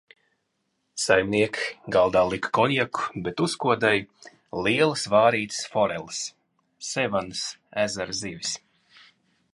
Saimnieki galdā lika konjaku, bet uzkodai – lielas vārītas foreles – Sevanas ezera zivis.